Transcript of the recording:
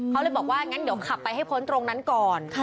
เขาเลยบอกว่างั้นเดี๋ยวขับไปให้พ้นตรงนั้นก่อน